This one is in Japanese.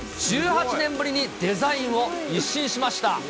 １８年ぶりにデザインを一新しました。